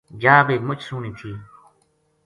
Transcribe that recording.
جا بے مُچ سوہنی تھی